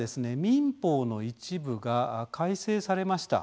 民法の一部が改正されました。